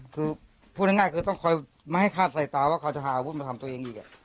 คือพูดง่ายง่ายคือต้องคอยมาให้ข้าใส่ตาว่าเขาจะหาอาวุธมาทำตัวอย่างเงี้ย